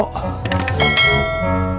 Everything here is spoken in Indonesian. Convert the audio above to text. takut kamu bilang kepo